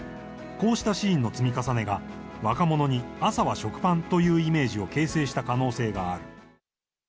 こうしたシーンの積み重ねが、若者に、朝は食パンというイメージを形成した可能性がある。